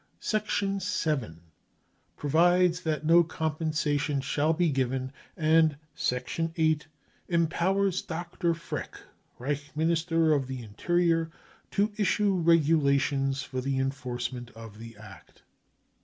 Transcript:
" VII. Provides that no compensation shall be given, and ^" VIII. Empowers Dr. Frick, Reich Minister of the In terior, to issue regulations for the enforcement of the Act